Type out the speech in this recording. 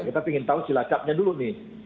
kita ingin tahu cilacapnya dulu nih